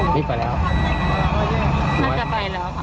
ไปแล้วค่ะ